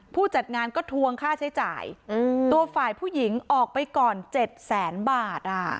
ผู้จัดงานก็ทวงค่าใช้จ่ายตัวฝ่ายผู้หญิงออกไปก่อน๗แสนบาท